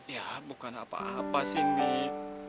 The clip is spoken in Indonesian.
ya bukan apa apa sih mie